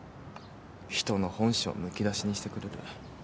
人の本性むき出しにしてくれる。